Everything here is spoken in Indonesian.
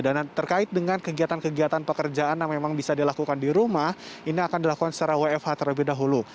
dan terkait dengan kegiatan kegiatan pekerjaan yang memang bisa dilakukan di rumah ini akan dilakukan secara wfh terlebih dahulu